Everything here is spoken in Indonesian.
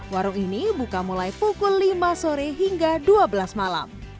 warung ini buka mulai pukul lima sore hingga dua belas malam